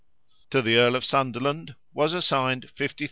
To the Earl of Sunderland was assigned 50,000l.